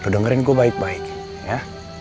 dengerin gue baik baik ya